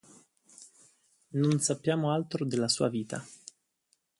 Non sappiamo altro della sua vita.